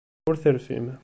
Ur terfim.